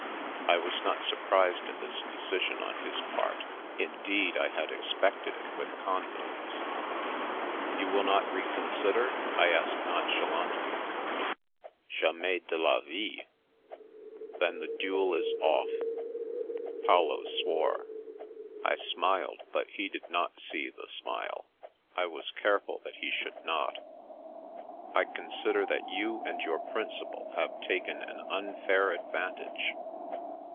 I was not surprised at this decision on his part Indeed, I had expected it with confidence. 256 The Princess Passes "You will not reconsider?" I asked non chalantly. " Jamais de la vie !"" Then the duel is off." Paolo swore. I smiled; but he did not see the smile. I was careful that he should not "I consider that you and your principal have taken an unfair advantage."